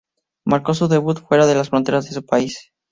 Marcó su debut fuera de las fronteras de su país.